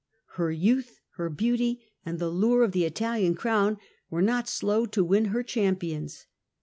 Her youth, her beauty, and the lure of the Italian crown were not slow to win her champions.